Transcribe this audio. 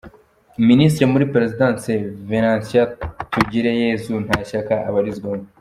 Minisitiri muri Perezidansi, Venantia Tugireyezu Nta shyaka abarizwamo.